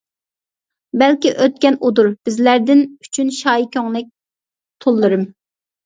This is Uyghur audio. بەلكى ئۆتكەن ئۇ دۇر، بىزلەردىن، ئۈچۈن شايى كۆڭلەك، تونلىرىم.